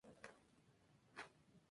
Basada en la novela de Joseph Finder.